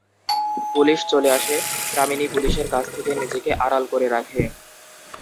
Police চলে আসে, কামিনী পুলিশের কাছ থেকে নিজেকে আড়াল করে রাখে।